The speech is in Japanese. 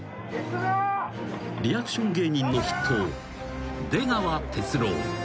［リアクション芸人の筆頭出川哲朗］